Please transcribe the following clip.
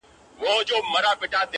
پر غوږونو ښې لګېږي او خوږې دي،